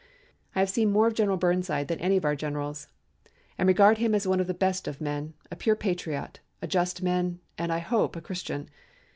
"I have seen more of General Burnside than any of our generals, and I regard him as one of the best of men, a pure patriot, a just man, and, I hope, a Christian.